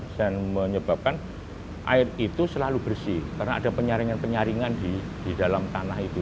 dan menyebabkan air itu selalu bersih karena ada penyaringan penyaringan di dalam tanah itu